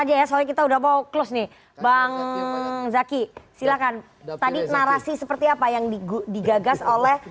aja ya soalnya kita udah mau close nih bang zaki silakan tadi narasi seperti apa yang digagas oleh